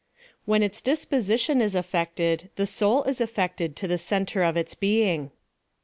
When its dispositon is affected, the soul is affec ted to the centre of its being.